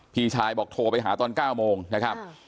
พี่ชายบอกโทรไปหาตอน๙โมงนะครับ